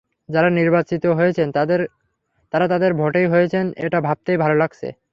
যাঁরা নির্বাচিত হয়েছেন, তাঁরা তাঁদের ভোটেই হয়েছেন, এটা ভাবতেই ভালো লাগছে।